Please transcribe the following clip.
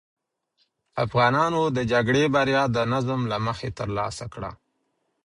افغانانو د جګړې بریا د نظم له مخې ترلاسه کړه.